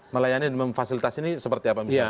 melayani dan memfasilitasi ini seperti apa misalnya